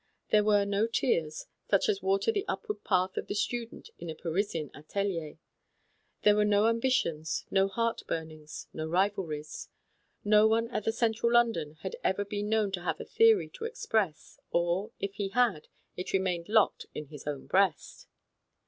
There were no tears, such as water the upward path of the student in a Parisian atelier ; there were no ambitions, no heart burnings, no rivalries. No one at the Central London had ever been known to have a theory to express, or, if he had, it remained locked within his own breast.